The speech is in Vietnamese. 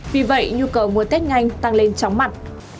vì vậy nhu cầu mua tét nganh tăng lên chóng mặt